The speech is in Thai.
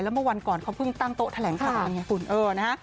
แล้วเมื่อวันก่อนเขาเพิ่งตั้งโต๊ะแถลงของนี่คุณเออนะ